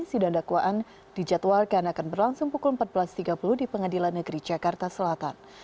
sidang dakwaan dijadwalkan akan berlangsung pukul empat belas tiga puluh di pengadilan negeri jakarta selatan